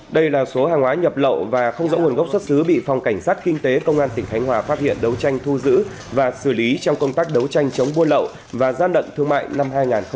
đây là số hàng hóa nhập lậu và không rõ nguồn gốc xuất xứ bị phòng cảnh sát kinh tế công an tỉnh khánh hòa phát hiện đấu tranh thu giữ và xử lý trong công tác đấu tranh chống buôn lậu và gian lận thương mại năm hai nghìn hai mươi ba